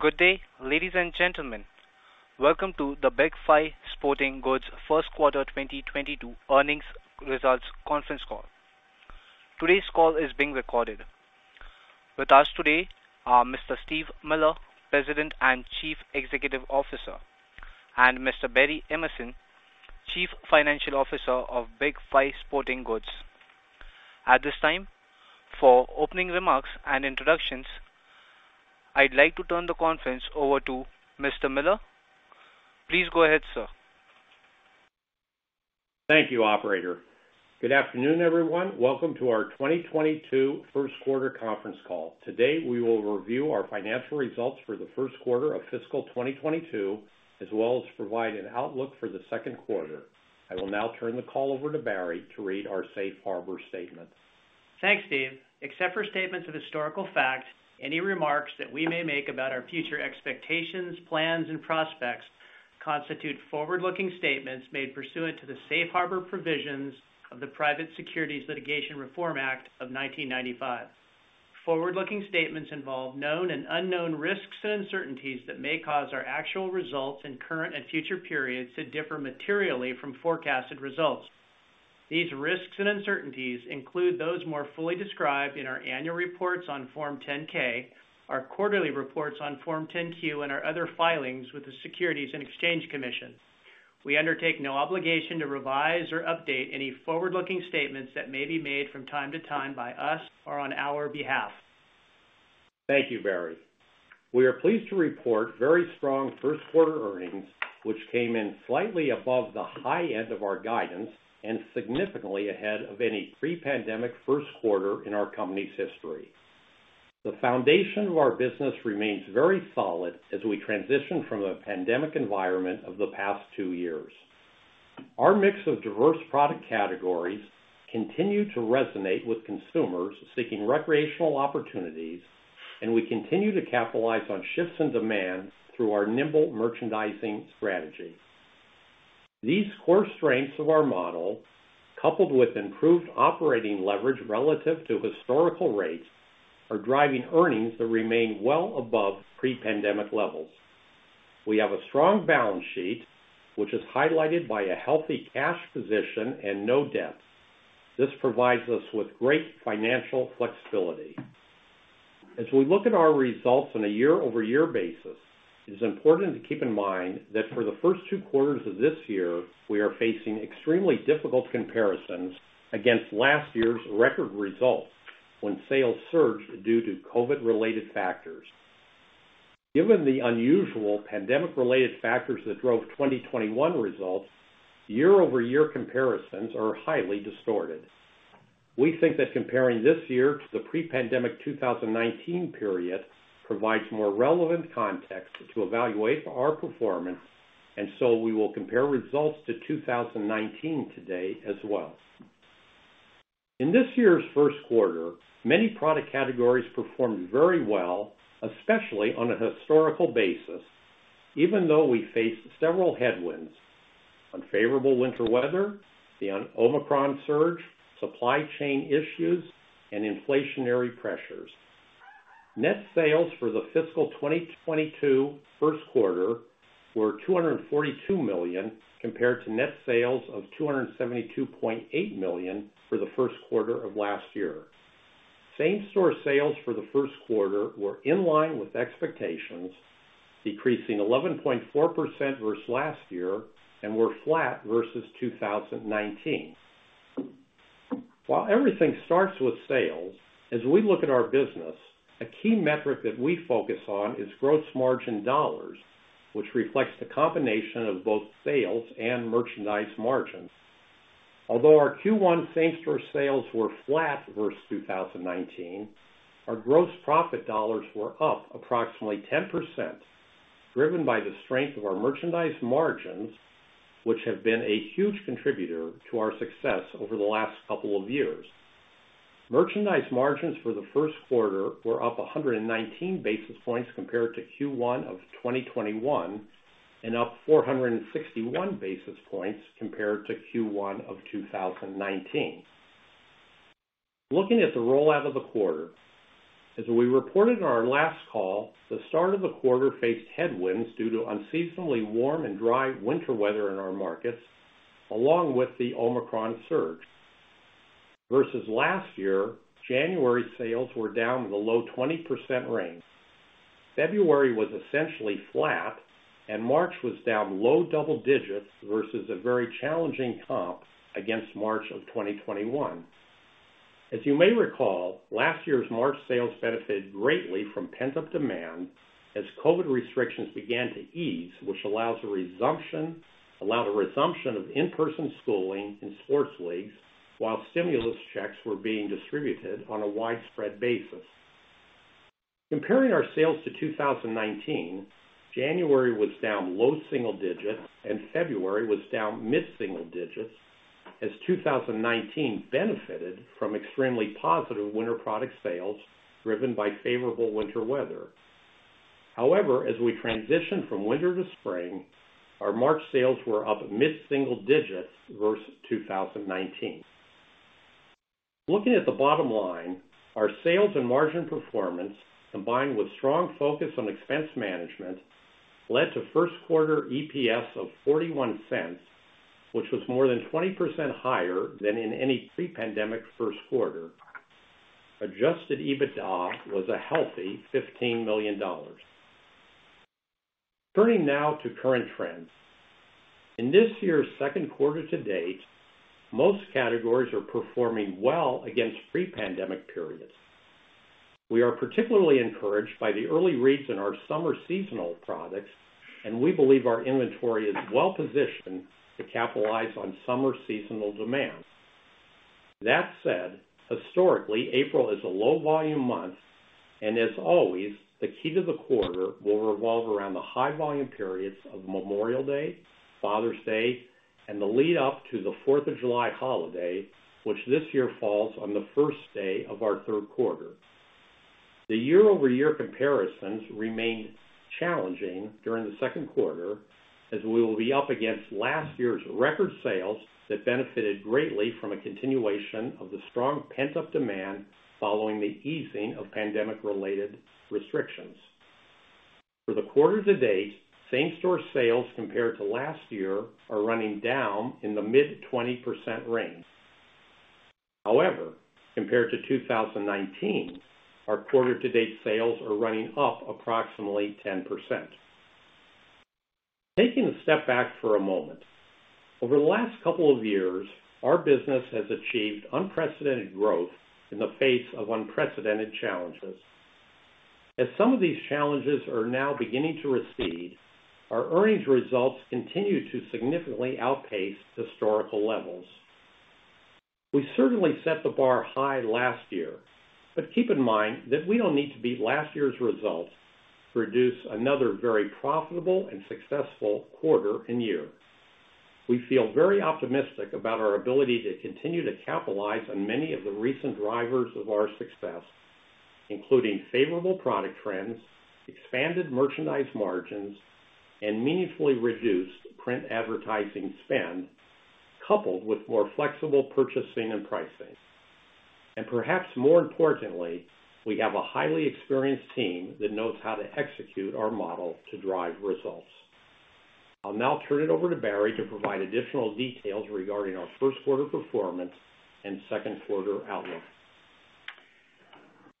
Good day, ladies and gentlemen. Welcome to the Big 5 Sporting Goods First Quarter 2022 Earnings Results Conference Call. Today's call is being recorded. With us today are Mr. Steven G. Miller, President and Chief Executive Officer, and Mr. Barry D. Emerson, Chief Financial Officer of Big 5 Sporting Goods. At this time, for opening remarks and introductions, I'd like to turn the conference over to Mr. Steven G. Miller. Please go ahead, sir. Thank you, operator. Good afternoon, everyone. Welcome to our 2022 First Quarter Conference Call. Today, we will review our financial results for the first quarter of fiscal 2022, as well as provide an outlook for the second quarter. I will now turn the call over to Barry to read our Safe Harbor statement. Thanks, Steven. Except for statements of historical fact, any remarks that we may make about our future expectations, plans, and prospects constitute forward-looking statements made pursuant to the Safe Harbor provisions of the Private Securities Litigation Reform Act of 1995. Forward-looking statements involve known and unknown risks and uncertainties that may cause our actual results in current and future periods to differ materially from forecasted results. These risks and uncertainties include those more fully described in our annual reports on Form 10-K, our quarterly reports on Form 10-Q, and our other filings with the Securities and Exchange Commission. We undertake no obligation to revise or update any forward-looking statements that may be made from time to time by us or on our behalf. Thank you, Barry. We are pleased to report very strong first quarter earnings, which came in slightly above the high end of our guidance and significantly ahead of any pre-pandemic first quarter in our company's history. The foundation of our business remains very solid as we transition from the pandemic environment of the past two years. Our mix of diverse product categories continue to resonate with consumers seeking recreational opportunities, and we continue to capitalize on shifts in demand through our nimble merchandising strategy. These core strengths of our model, coupled with improved operating leverage relative to historical rates, are driving earnings that remain well above pre-pandemic levels. We have a strong balance sheet, which is highlighted by a healthy cash position and no debt. This provides us with great financial flexibility. As we look at our results on a year-over-year basis, it is important to keep in mind that for the first two quarters of this year, we are facing extremely difficult comparisons against last year's record results when sales surged due to COVID-related factors. Given the unusual pandemic-related factors that drove 2021 results, year-over-year comparisons are highly distorted. We think that comparing this year to the pre-pandemic 2019 period provides more relevant context to evaluate our performance, and so we will compare results to 2019 today as well. In this year's first quarter, many product categories performed very well, especially on a historical basis, even though we faced several headwinds, unfavorable winter weather, the Omicron surge, supply chain issues, and inflationary pressures. Net sales for the fiscal 2022 first quarter were $242 million, compared to net sales of $272.8 million for the first quarter of last year. Same-store sales for the first quarter were in line with expectations, decreasing 11.4% versus last year, and were flat versus 2019. While everything starts with sales, as we look at our business, a key metric that we focus on is gross margin dollars, which reflects the combination of both sales and merchandise margins. Although our Q1 same-store sales were flat versus 2019, our gross profit dollars were up approximately 10%, driven by the strength of our merchandise margins, which have been a huge contributor to our success over the last couple of years. Merchandise margins for the first quarter were up 119 basis points compared to Q1 of 2021, and up 461 basis points compared to Q1 of 2019. Looking at the rundown of the quarter, as we reported on our last call, the start of the quarter faced headwinds due to unseasonably warm and dry winter weather in our markets, along with the Omicron surge. Versus last year, January sales were down in the low 20% range. February was essentially flat, and March was down low double digits versus a very challenging comp against March of 2021. As you may recall, last year's March sales benefited greatly from pent-up demand as COVID restrictions began to ease, which allowed a resumption of in-person schooling and sports leagues while stimulus checks were being distributed on a widespread basis. Comparing our sales to 2019, January was down low single digits% and February was down mid-single digits% as 2019 benefited from extremely positive winter product sales driven by favorable winter weather. However, as we transition from winter to spring, our March sales were up mid-single digits% versus 2019. Looking at the bottom line, our sales and margin performance, combined with strong focus on expense management, led to first quarter EPS of $0.41, which was more than 20% higher than in any pre-pandemic first quarter. Adjusted EBITDA was a healthy $15 million. Turning now to current trends. In this year's second quarter to date, most categories are performing well against pre-pandemic periods. We are particularly encouraged by the early reads in our summer seasonal products, and we believe our inventory is well-positioned to capitalize on summer seasonal demands. That said, historically, April is a low volume month, and as always, the key to the quarter will revolve around the high volume periods of Memorial Day, Father's Day, and the lead up to the 4th of July holiday, which this year falls on the first day of our third quarter. The year-over-year comparisons remain challenging during the second quarter as we will be up against last year's record sales that benefited greatly from a continuation of the strong pent-up demand following the easing of pandemic-related restrictions. For the quarter to date, same-store sales compared to last year are running down in the mid-20% range. However, compared to 2019, our quarter to date sales are running up approximately 10%. Taking a step back for a moment, over the last couple of years, our business has achieved unprecedented growth in the face of unprecedented challenges. As some of these challenges are now beginning to recede, our earnings results continue to significantly outpace historical levels. We certainly set the bar high last year, but keep in mind that we don't need to beat last year's results to produce another very profitable and successful quarter and year. We feel very optimistic about our ability to continue to capitalize on many of the recent drivers of our success, including favorable product trends, expanded merchandise margins, and meaningfully reduced print advertising spend, coupled with more flexible purchasing and pricing. Perhaps more importantly, we have a highly experienced team that knows how to execute our model to drive results. I'll now turn it over to Barry to provide additional details regarding our first quarter performance and second quarter outlook.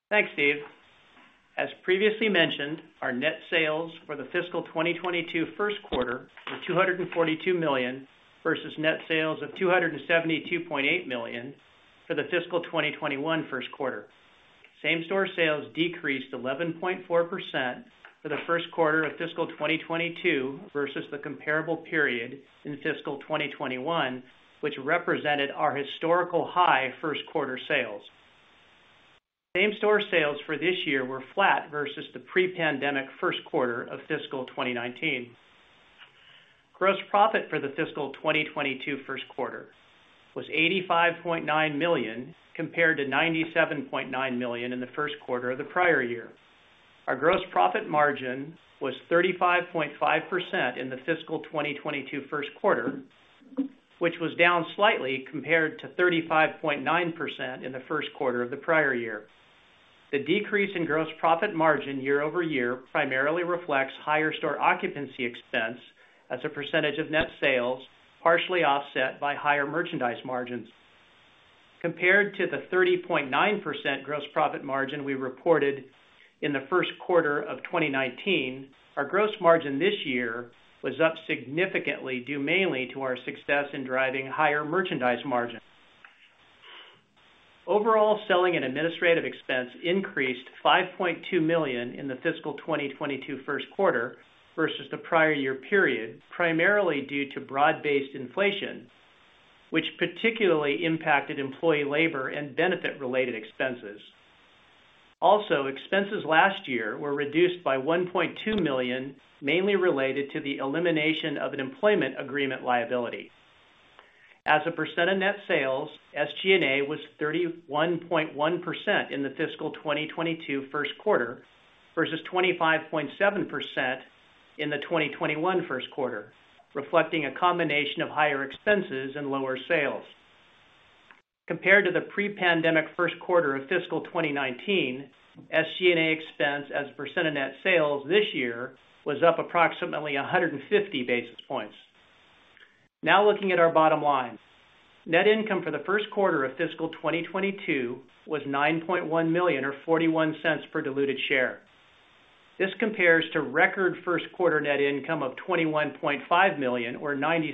Thanks, Steven. As previously mentioned, our net sales for the fiscal 2022 first quarter, were $242 million versus net sales of $272.8 million for the fiscal 2021 first quarter. Same-store sales decreased 11.4% for the first quarter of fiscal 2022 versus the comparable period in fiscal 2021, which represented our historical high first quarter sales. Same-store sales for this year were flat versus the pre-pandemic first quarter of fiscal 2019. Gross profit for the fiscal 2022 first quarter was $85.9 million, compared to $97.9 million in the first quarter of the prior year. Our gross profit margin was 35.5% in the fiscal 2022 first quarter, which was down slightly compared to 35.9% in the first quarter of the prior year. The decrease in gross profit margin year-over-year primarily reflects higher store occupancy expense as a percentage of net sales, partially offset by higher merchandise margins. Compared to the 30.9% gross profit margin we reported in the first quarter of 2019, our gross margin this year was up significantly, due mainly to our success in driving higher merchandise margin. Overall, selling and administrative expense increased $5.2 million in the fiscal 2022 first quarter versus the prior year period, primarily due to broad-based inflation, which particularly impacted employee labor and benefit-related expenses. Expenses last year were reduced by $1.2 million, mainly related to the elimination of an employment agreement liability. As a percent of net sales, SG&A was 31.1% in the fiscal 2022 first quarter versus 25.7% in the 2021 first quarter, reflecting a combination of higher expenses and lower sales. Compared to the pre-pandemic first quarter of fiscal 2019, SG&A expense as a percent of net sales this year was up approximately 150 basis points. Now looking at our bottom line. Net income for the first quarter of fiscal 2022 was $9.1 million or $0.41 per diluted share. This compares to record first quarter net income of $21.5 million or $0.96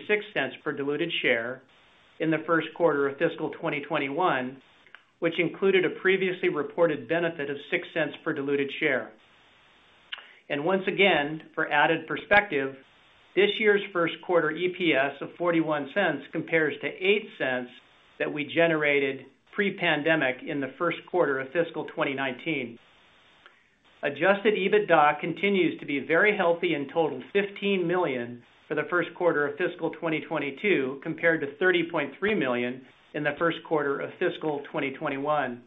per diluted share in the first quarter of fiscal 2021, which included a previously reported benefit of $0.06 per diluted share. Once again, for added perspective, this year's first quarter EPS of $0.41 compares to $0.08 that we generated pre-pandemic in the first quarter of fiscal 2019. Adjusted EBITDA continues to be very healthy and totaled $15 million for the first quarter of fiscal 2022, compared to $30.3 million in the first quarter of fiscal 2021.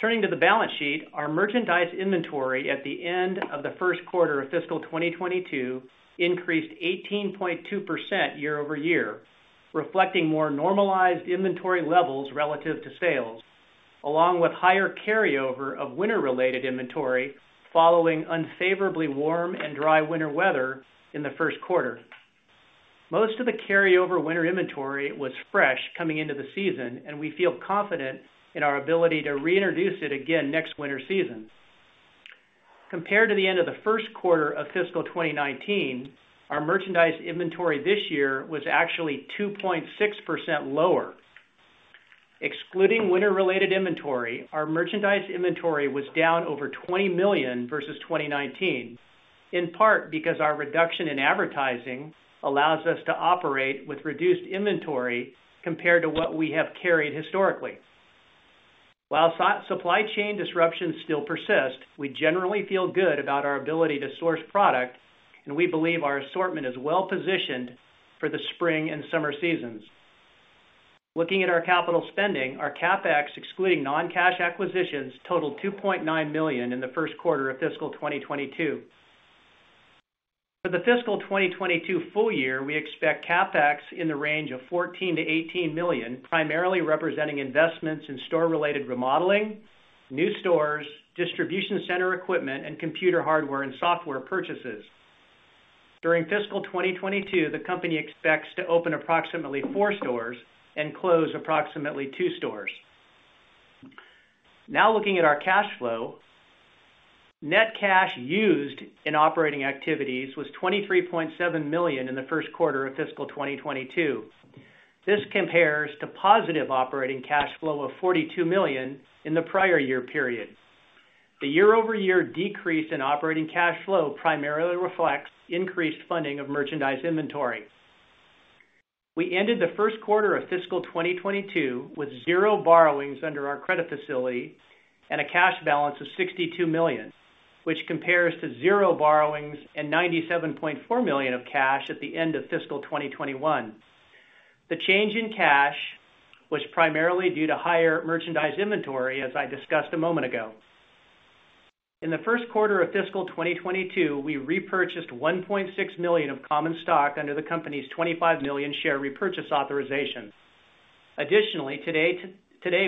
Turning to the balance sheet, our merchandise inventory at the end of the first quarter of fiscal 2022 increased 18.2% year-over-year, reflecting more normalized inventory levels relative to sales, along with higher carryover of winter-related inventory following unfavorably warm and dry winter weather in the first quarter. Most of the carryover winter inventory was fresh coming into the season, and we feel confident in our ability to reintroduce it again next winter season. Compared to the end of the first quarter of fiscal 2019, our merchandise inventory this year was actually 2.6% lower. Excluding winter-related inventory, our merchandise inventory was down over $20 million versus 2019, in part because our reduction in advertising allows us to operate with reduced inventory compared to what we have carried historically. While supply chain disruptions still persist, we generally feel good about our ability to source product, and we believe our assortment is well positioned for the spring and summer seasons. Looking at our capital spending, our CapEx excluding non-cash acquisitions totaled $2.9 million in the first quarter of fiscal 2022. For the fiscal 2022 full year, we expect CapEx in the range of $14 million-$18 million, primarily representing investments in store-related remodeling, new stores, distribution center equipment, and computer hardware and software purchases. During fiscal 2022, the company expects to open approximately four stores and close approximately two stores. Now looking at our cash flow, net cash used in operating activities was $23.7 million in the first quarter of fiscal 2022. This compares to positive operating cash flow of $42 million in the prior year period. The year-over-year decrease in operating cash flow primarily reflects increased funding of merchandise inventory. We ended the first quarter of fiscal 2022 with zero borrowings under our credit facility and a cash balance of $62 million, which compares to zero borrowings and $97.4 million of cash at the end of fiscal 2021. The change in cash was primarily due to higher merchandise inventory, as I discussed a moment ago. In the first quarter of fiscal 2022, we repurchased 1.6 million of common stock under the company's 25 million share repurchase authorization. Additionally, today,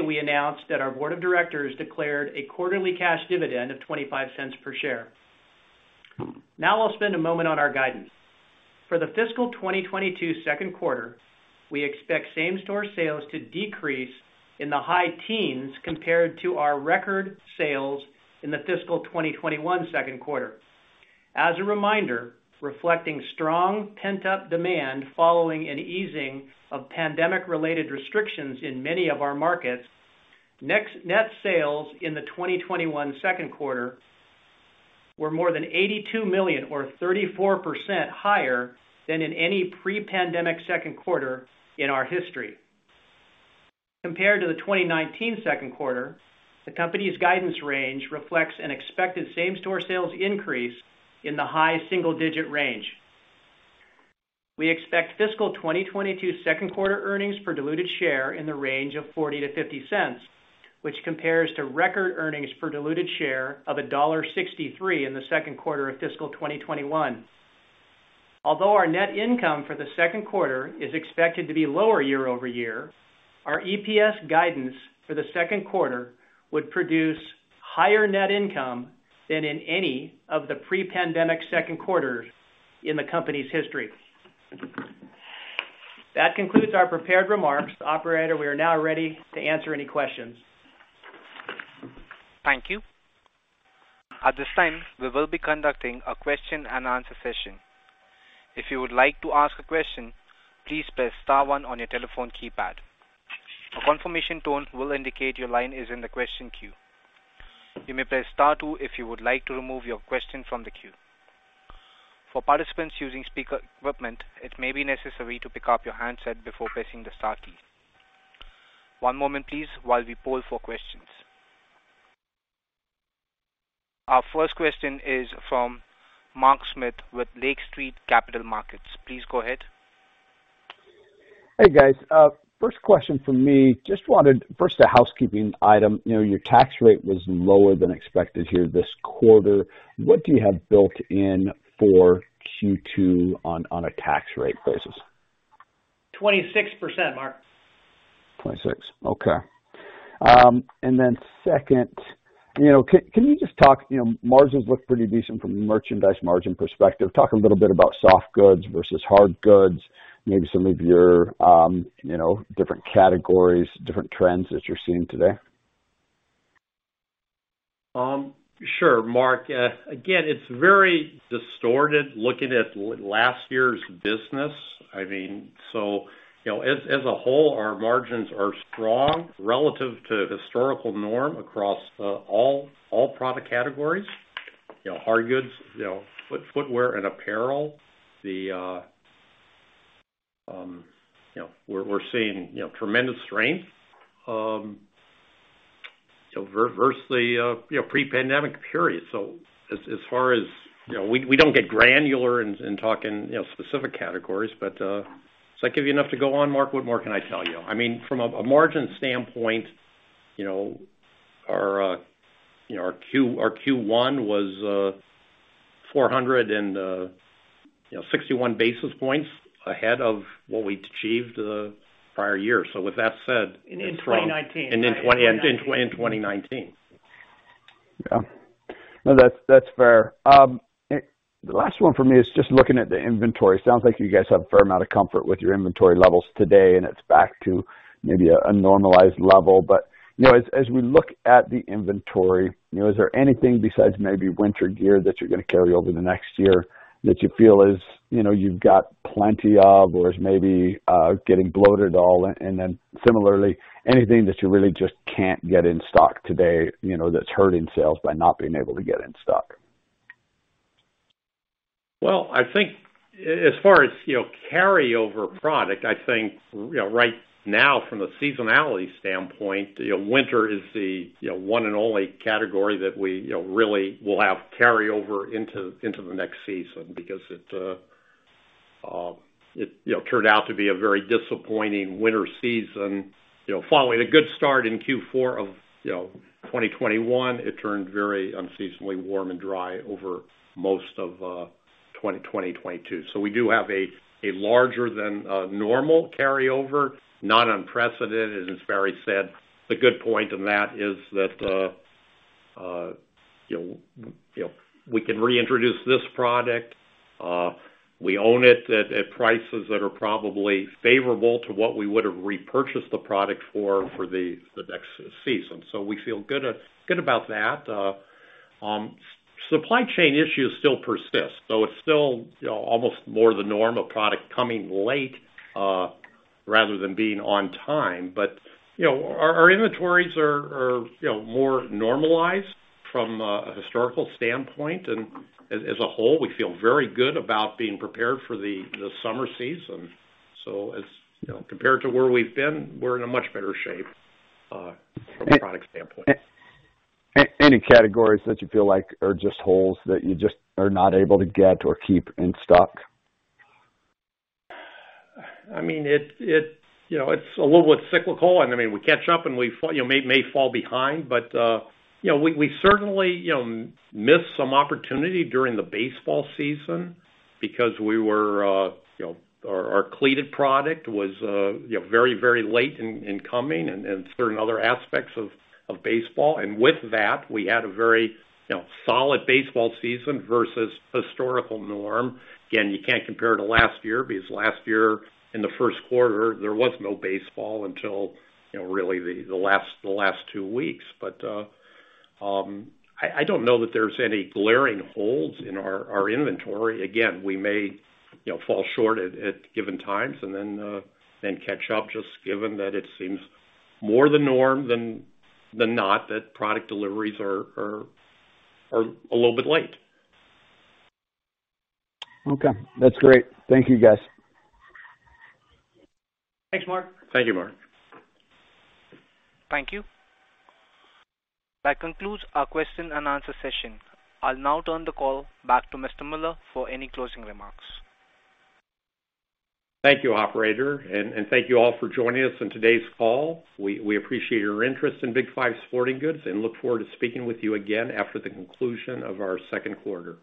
we announced that our Board of Directors declared a quarterly cash dividend of $0.25 per share. Now I'll spend a moment on our guidance. For the fiscal 2022 second quarter, we expect same store sales to decrease in the high teens compared to our record sales in the fiscal 2021 second quarter. As a reminder, reflecting strong pent-up demand following an easing of pandemic-related restrictions in many of our markets, net sales in the 2021 second quarter were more than $82 million or 34% higher than in any pre-pandemic second quarter in our history. Compared to the 2019 second quarter, the company's guidance range reflects an expected same-store sales increase in the high single-digit range. We expect fiscal 2022 second quarter earnings per diluted share in the range of $0.40-$0.50, which compares to record earnings per diluted share of $1.63 in the second quarter of fiscal 2021. Although our net income for the second quarter is expected to be lower year-over-year, our EPS guidance for the second quarter would produce higher net income than in any of the pre-pandemic second quarters in the company's history. That concludes our prepared remarks. Operator, we are now ready to answer any questions. Thank you. At this time, we will be conducting a question and answer session. If you would like to ask a question, please press star one on your telephone keypad. A confirmation tone will indicate your line is in the question queue. You may press star two if you would like to remove your question from the queue. For participants using speaker equipment, it may be necessary to pick up your handset before pressing the star key. One moment please while we poll for questions. Our first question is from Mark Smith with Lake Street Capital Markets. Please go ahead. Hey, guys. First question from me, just wanted a housekeeping item. You know, your tax rate was lower than expected here this quarter. What do you have built in for Q2 on a tax rate basis? 26%, Mark. 26%. Okay. Then second, you know, can you just talk, you know, margins look pretty decent from a merchandise margin perspective. Talk a little bit about soft goods versus hard goods, maybe some of your, you know, different categories, different trends that you're seeing today. Sure, Mark. Again, it's very distorted looking at last year's business. I mean, you know, as a whole, our margins are strong relative to historical norm across all product categories. You know, hard goods, you know, footwear and apparel, you know, we're seeing you know, tremendous strength, you know, versus the pre-pandemic period. As far as... You know, we don't get granular in talking specific categories. Does that give you enough to go on, Mark? What more can I tell you? I mean, from a margin standpoint, you know, our Q1 was 461 basis points ahead of what we'd achieved the prior year. With that said- In 2019. In, in 20- in, in 2019. Yeah. No, that's fair. The last one for me is just looking at the inventory. Sounds like you guys have a fair amount of comfort with your inventory levels today, and it's back to maybe a normalized level. You know, as we look at the inventory, you know, is there anything besides maybe winter gear that you're gonna carry over the next year that you feel is, you know, you've got plenty of or is maybe getting bloated at all? And then similarly, anything that you really just can't get in stock today, you know, that's hurting sales by not being able to get in stock? Well, I think as far as, you know, carry over product, I think, you know, right now, from the seasonality standpoint, you know, winter is the, you know, one and only category that we, you know, really will have carry over into the next season because it, you know, turned out to be a very disappointing winter season. You know, following a good start in Q4 of, you know, 2021, it turned very unseasonably warm and dry over most of 2022. So we do have a larger than normal carryover, not unprecedented, as Barry said. The good point in that is that, you know, we can reintroduce this product. We own it at prices that are probably favorable to what we would've repurchased the product for the next season. We feel good about that. Supply chain issues still persist, so it's still, you know, almost more the norm of product coming late rather than being on time. You know, our inventories are, you know, more normalized from a historical standpoint. As a whole, we feel very good about being prepared for the summer season. You know, compared to where we've been, we're in a much better shape from a product standpoint. Any categories that you feel like are just holes that you just are not able to get or keep in stock? I mean, it's you know, it's a little bit cyclical, and I mean, we catch up and we you know, may fall behind. You know, we certainly you know, missed some opportunity during the baseball season because we were you know, our cleated product was you know, very, very late in coming and certain other aspects of baseball. With that, we had a very you know, solid baseball season versus historical norm. Again, you can't compare to last year because last year, in the first quarter, there was no baseball until you know, really the last two weeks. I don't know that there's any glaring holes in our inventory. Again, we may, you know, fall short at given times and then catch up, just given that it seems more the norm than not that product deliveries are a little bit late. Okay. That's great. Thank you, guys. Thanks, Mark. Thank you, Mark. Thank you. That concludes our question and answer session. I'll now turn the call back to Mr. Miller for any closing remarks. Thank you, operator, and thank you all for joining us on today's call. We appreciate your interest in Big 5 Sporting Goods and look forward to speaking with you again after the conclusion of our second quarter.